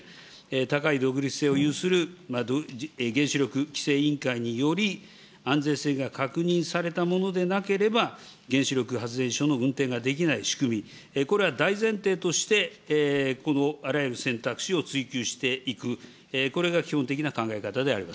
高い独立性を有する原子力規制委員会により、安全性が確認されたものでなければ、原子力発電所の運転ができない仕組み、これは大前提として、このあらゆる選択肢をついきゅうしていく、これが基本的な考え方